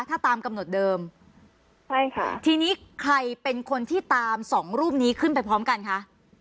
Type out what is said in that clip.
ถ้าตามกำหนดเดิมใช่ค่ะทีนี้ใครเป็นคนที่ตามสองรูปนี้ขึ้นไปพร้อมกันคะ